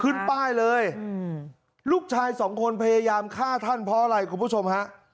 ขึ้นป้ายเลยลูกชายสองคนพยายามฆ่าท่านเพราะอะไรคุณผู้ชมฮะ